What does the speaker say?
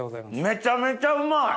めちゃめちゃうまい！